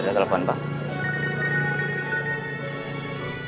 ya betul pak